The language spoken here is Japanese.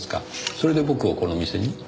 それで僕をこの店に？